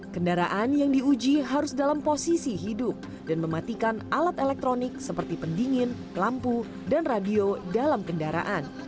kendaraan yang diuji harus dalam posisi hidup dan mematikan alat elektronik seperti pendingin lampu dan radio dalam kendaraan